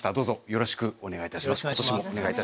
よろしくお願いします。